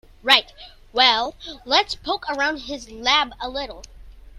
Right, well let's poke around his lab a little.